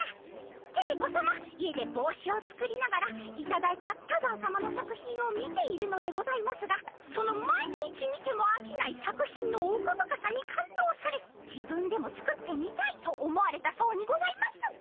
テレ子さま家で帽子を作りながらいただいた多山さまの作品を見ているのでございますがその毎日見てもあきない作品の奥深さに感動され自分でも作ってみたいと思われたそうにございます。